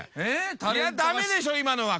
ダメでしょ今のは。